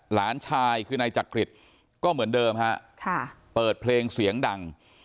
หลานชายคือนายจักริตก็เหมือนเดิมฮะเปิดเพลงเสียงดัง